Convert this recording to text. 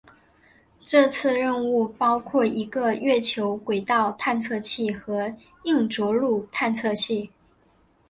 这次任务包括一个月球轨道探测器和硬着陆探测器。